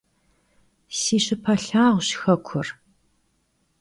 Si şıpe lhağuş xekur.